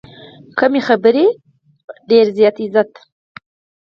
کم خبرې، ډېر عزت.